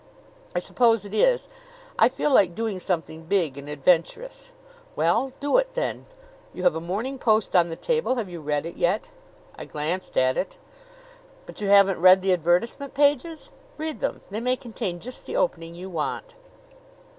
"I suppose it is. I feel like doing something big and adventurous." "Well, do it then. You have a Morning Post on the table. Have you read it yet?" "I glanced at it." "But you haven't read the advertisement pages? Read them. They may contain just the opening you want."